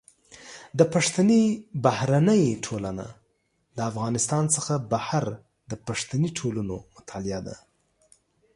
د پښتني بهرنۍ ټولنه د افغانستان څخه بهر د پښتني ټولنو مطالعه ده.